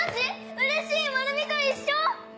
うれしいまるみと一緒！